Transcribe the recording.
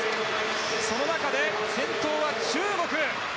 その中で先頭は中国。